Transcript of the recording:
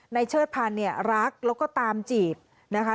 เชิดพันธ์เนี่ยรักแล้วก็ตามจีบนะคะ